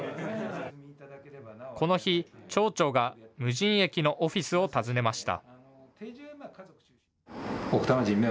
この日、町長が無人駅のオフィスを訪ねました。